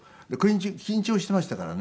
緊張していましたからね。